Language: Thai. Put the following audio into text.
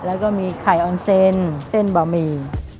แล้วก็มีไข่ออนเซนเส้นบะหมี่